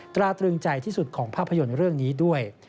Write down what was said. ตราตรึงใจที่สุดของภาพยนตร์เรื่องนี้ด้วย